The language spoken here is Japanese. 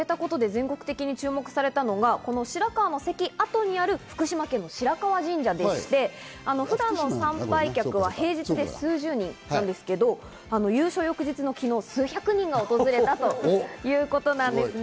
全国的に注目されたのが白河関跡にある福島県の白河神社でして、参拝客は普段です数十人なんですけれども、優勝翌日の昨日は数百人が訪れたということなんです。